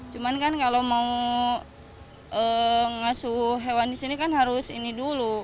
cuman kan kalau mau asuh hewan disini kan harus ini dulu